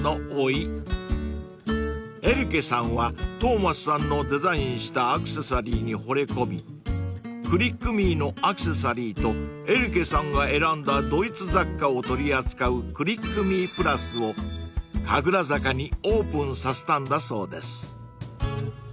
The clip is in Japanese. ［エルケさんはトーマスさんのデザインしたアクセサリーにほれ込みクリックミーのアクセサリーとエルケさんが選んだドイツ雑貨を取り扱うクリックミープラスを神楽坂にオープンさせたんだそうです］